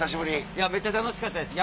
いやめっちゃ楽しかったです。